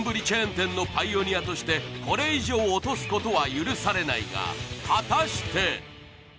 チェーン店のパイオニアとしてこれ以上落とすことは許されないが果たして！？